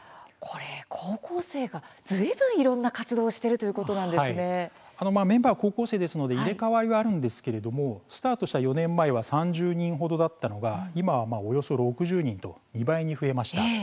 高校生がずいぶんいろんな活動をしているメンバーは高校生ですので入れ代わりはあるんですがスタートした４年前は３０人程だったのが今は、およそ６０人と２倍に増えました。